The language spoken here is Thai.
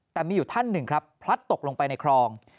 แต่มีอยู่ท่านหนึ่งครับพลัดตกลงไปในคลอง